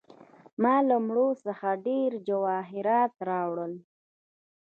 ما له مړو څخه ډیر جواهرات راوړل.